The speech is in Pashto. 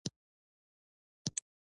د پرمختګ او ښېرازۍ دعوا یې وکړو.